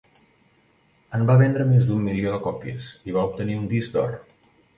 En va vendre més d'un milió de còpies i va obtenir un disc d'or.